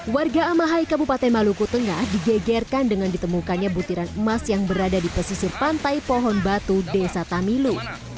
warga amahai kabupaten maluku tengah digegerkan dengan ditemukannya butiran emas yang berada di pesisir pantai pohon batu desa tamilu